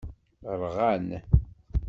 Rɣan.